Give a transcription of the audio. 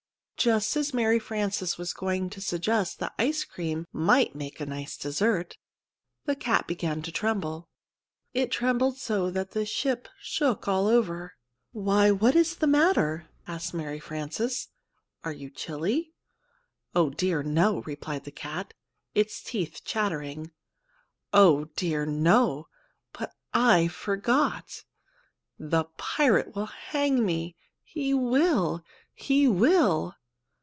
Just as Mary Frances was going to suggest that ice cream might make a nice dessert, the cat began to tremble. It trembled so that the ship shook all over. "Why, what is the matter?" asked Mary Frances. "Are you chilly?" "Oh, dear, no," replied the cat, its teeth chattering. "Oh, dear, no; but I forgot! The pirate will hang me! He will! He will!"